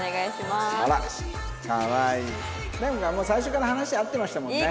なんかもう最初から話合ってましたもんね。